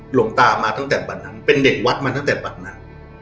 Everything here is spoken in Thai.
หลวงตามาตั้งแต่บัตรนั้นเป็นเด็กวัดมาตั้งแต่บัตรนั้น